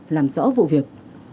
làm rõ vụ việc